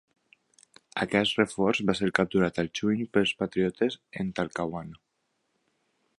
Aquest reforç va ser capturat al juny pels patriotes en Talcahuano.